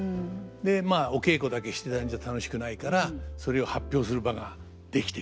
まあお稽古だけしてたんじゃ楽しくないからそれを発表する場が出来ていく。